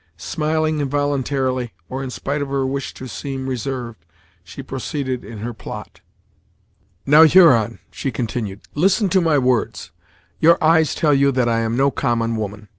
Smiling involuntarily, or in spite of her wish to seem reserved, she proceeded in her plot. "Now, Huron," she continued, "listen to my words. Your eyes tell you that I am no common woman.